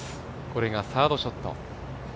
これがサードショット。